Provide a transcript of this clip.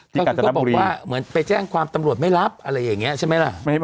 ที่การจดดับบุรีเขาก็บอกว่าไปแจ้งความตำรวจไม่รับอะไรอย่างนี้ใช่ไหมล่ะ